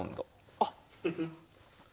あっ。